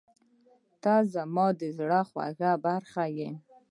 • ته زما د زړه خوږه برخه یې.